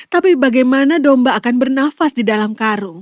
tapi bagaimana domba akan bernafas di dalam karung